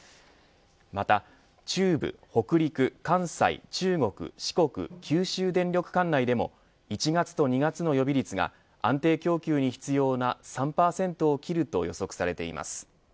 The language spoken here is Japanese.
また中部、北陸、関西、中国四国、九州電力管内でも１月と２月の予備率が安定供給に必要な３％を切ると予測されています。